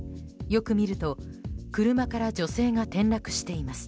よく見ると車から女性が転落しています。